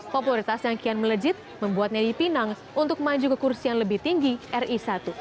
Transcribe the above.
popularitas yang kian melejit membuatnya dipinang untuk maju ke kursi yang lebih tinggi ri satu